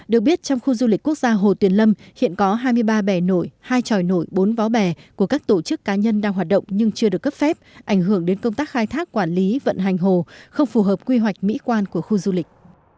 được biết trong khu du lịch quốc gia hồ tuyền lâm hiện có hai mươi ba bè nổi hai tròi nổi bốn vó bè của các tổ chức cá nhân đang hoạt động nhưng chưa được cấp phép ảnh hưởng đến công tác khai thác quản lý vận hành hồ không phù hợp quy hoạch mỹ quan của khu du lịch